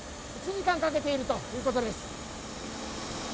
１時間かけているということです。